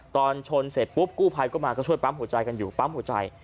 ตอนชนเสร็จปุ๊บกู้ภัยก็มาก็ช่วยปั๊มหัวใจกันอยู่ปั๊มหัวใจ